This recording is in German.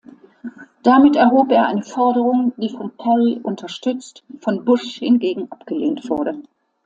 Damit erhob er eine Forderung, die von Kerry unterstützt, von Bush hingegen abgelehnt wurde.